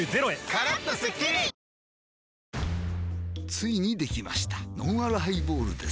ついにできましたのんあるハイボールです